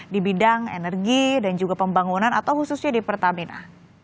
di bidang energi dan juga pembangunan atau khususnya di pertamina